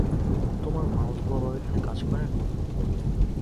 তোমার মা অথবা বাবা এখানে কাজ করেন?